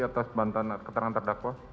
atas bantuan keterangan terdakwa